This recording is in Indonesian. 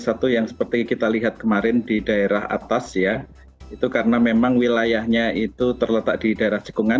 satu yang seperti kita lihat kemarin di daerah atas ya itu karena memang wilayahnya itu terletak di daerah cekungan